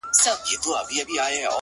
پر كومه تگ پيل كړم؛